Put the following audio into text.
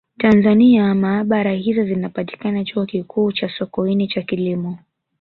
Tanzania maabara hizo zinapatikana Chuo Kikuu cha Sokoine cha Kilimo